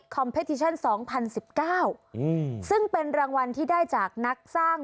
เพดิชั่นสองพันสิบเก้าอืมซึ่งเป็นรางวัลที่ได้จากนักสร้าง